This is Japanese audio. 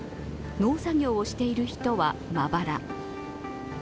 農作業をしている人は、まばら。